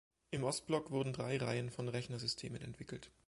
Im Ostblock wurden drei Reihen von Rechnersystemen entwickelt.